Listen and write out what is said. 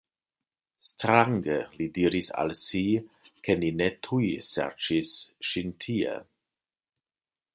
Strange, li diris al si, ke ni ne tuj serĉis ŝin tie.